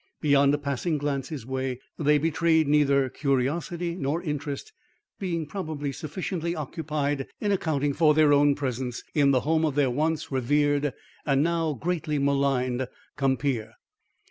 Beyond a passing glance his way, they betrayed neither curiosity nor interest, being probably sufficiently occupied in accounting for their own presence in the home of their once revered and now greatly maligned compeer.